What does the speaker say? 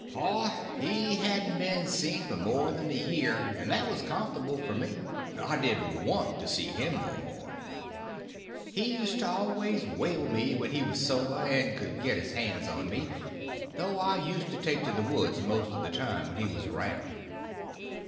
Pap he hadn't been seen for more than a year, and that was comfortable for me; I didn't want to see him no more. He used to always whale me when he was sober and could get his hands on me; though I used to take to the woods most of the time when he was around.